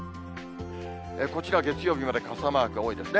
こちら、月曜日まで傘マークが多いですね。